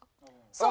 そう。